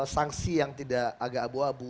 sanksi yang tidak agak abu abu